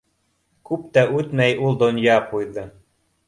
Күп тә үтмәй ул донъя ҡуйҙы.